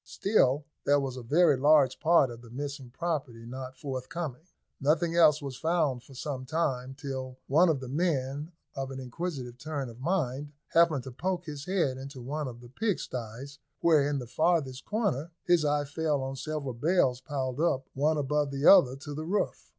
Still there was a very large part of the missing property not forthcoming. Nothing else was found for some time, till one of the men, of an inquisitive turn of mind, happened to poke his head into one of the pigsties, where, in the farthest corner, his eye fell on several bales piled up one above the other to the roof.